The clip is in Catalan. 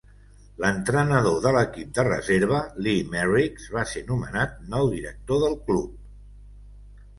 L'entrenador de l'equip de reserva Lee Merricks va ser nomenat nou director del club.